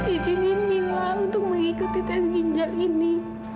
izinin mila untuk mengikuti tes ginjal ini